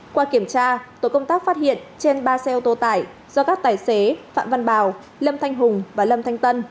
qua kiểm tra tổ công tác phát hiện trên ba xe ô tô tải do các tài xế phạm văn bảo lâm thanh hùng và lâm thanh tân